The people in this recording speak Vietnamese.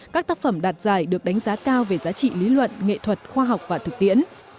các tác phẩm đạt giải được đánh giá cao về giá trị lý luận nghệ thuật khoa học và thực tiễn